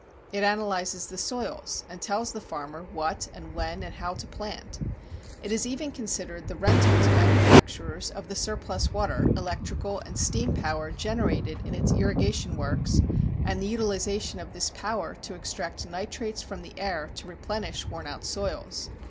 It analyzes the soils and tells the farmer what and when and how to plant. It has even considered the rental to manufacturers of the surplus water, electrical and steam power generated in its irrigation works and the utilization of this power to extract nitrates from the air to replenish worn out soils.